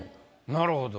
なるほど。